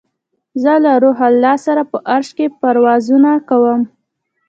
زه له روح الله سره په عرش کې پروازونه کوم